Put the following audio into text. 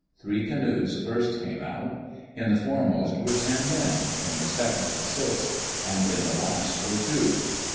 Three canoes first came out. In the fore most were ten men, in the second six, and in the last were two.